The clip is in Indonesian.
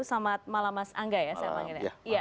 selamat malam mas angga ya